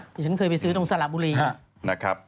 ที่ฉันเคยไปซื้อตรงสระบุรีนะครับ